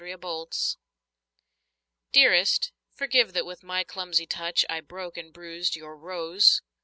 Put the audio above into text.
Stupidity Dearest, forgive that with my clumsy touch I broke and bruised your rose.